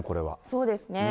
そうですね。